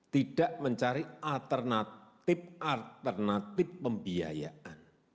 tidak mencari alternatif alternatif pembiayaan